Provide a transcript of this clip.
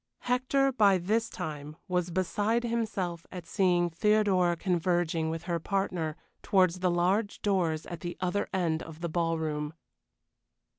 Hector by this time was beside himself at seeing Theodora converging with her partner towards the large doors at the other end of the ballroom.